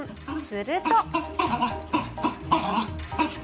すると。